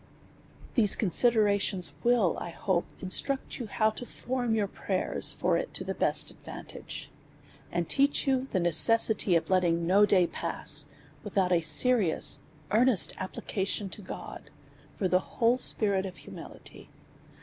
These considerations will^ I hope, instruct you how to form your prayers for it to the best advantage; and teach you the necessity of letting no day pass, without a serious, earnest application to God, for the whole spirit of humility.